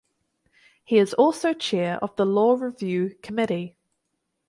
He is also chair of the law review committee.